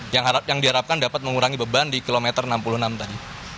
yang diharapkan dapat mengurangi beban di kilometer enam puluh enam tadi